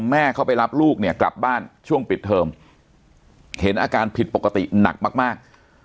แม่เขาไปรับลูกเนี่ยกลับบ้านช่วงปิดเทอมเห็นอาการผิดปกติหนักมาก